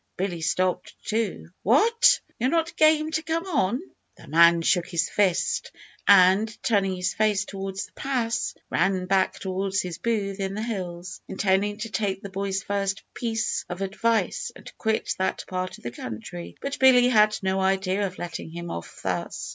Billy stopped too. "What! you're not game to come on?" The man shook his fist, and, turning his face towards the pass, ran back towards his booth in the hills, intending to take the boy's first piece of advice, and quit that part of the country. But Billy had no idea of letting him off thus.